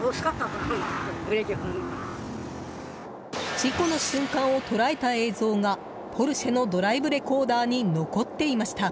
事故の瞬間を捉えた映像がポルシェのドライブレコーダーに残っていました。